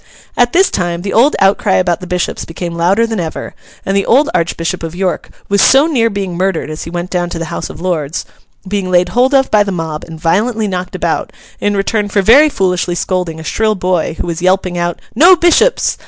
At this time, the old outcry about the Bishops became louder than ever, and the old Archbishop of York was so near being murdered as he went down to the House of Lords—being laid hold of by the mob and violently knocked about, in return for very foolishly scolding a shrill boy who was yelping out 'No Bishops!